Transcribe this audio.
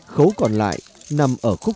khấu còn lại nằm ở khúc